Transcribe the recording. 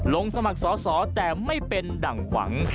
สมัครสอสอแต่ไม่เป็นดั่งหวัง